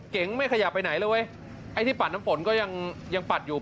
ไม่ขยับไปไหนเลยเว้ยไอ้ที่ปัดน้ำฝนก็ยังยังปัดอยู่